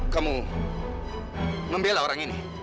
kamu membela orang ini